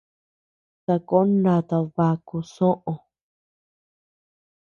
Sakón nata dibaku soʼö.